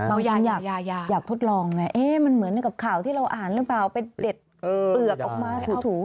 เราอยากทดลองไงมันเหมือนกับข่าวที่เราอ่านหรือเปลือกออกมาถู